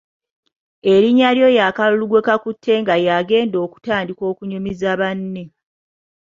Erinnya ly’oyo akalulu gwe kakutte nga yagenda okutandika okunyumiza banne